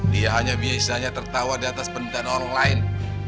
dia hanya biasanya tertawa di atas permintaan orang lain